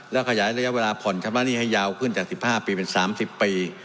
แล้วขยายระยะเวลาผ่อนชะมะหนี้ให้ยาวขึ้นจากสิบห้าปีเป็นสามสิบปี